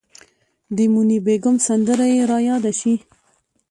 د موني بیګم سندره یې ریاده شي.